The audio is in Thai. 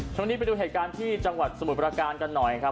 ช่วงนี้ไปดูเหตุการณ์ที่จังหวัดสมุทรประการกันหน่อยครับ